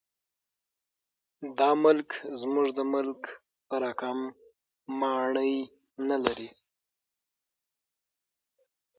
دا ملک زموږ د ملک په رکم ماڼۍ نه لري .